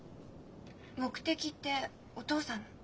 「目的」ってお父さんの？